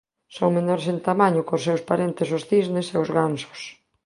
Son menores en tamaño que os seus parentes os cisnes e os gansos.